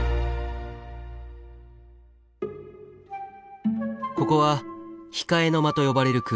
ここは「控えの間」と呼ばれる空間です。